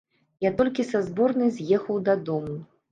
Я толькі са зборнай з'ехаў дадому.